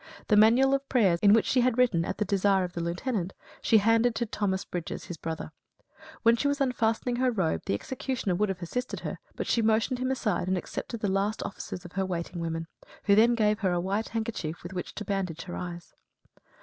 The manual of prayers, in which she had written at the desire of the Lieutenant, she handed to Thomas Brydges, his brother. When she was unfastening her robe, the executioner would have assisted her, but she motioned him aside, and accepted the last offices of her waiting women, who then gave her a white handkerchief with which to bandage her eyes.